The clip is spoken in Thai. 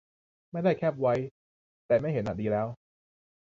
ไม่ได้แคปไว้ แต่ไม่เห็นอะดีแล้ว